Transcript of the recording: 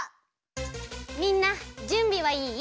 みんなじゅんびはいい？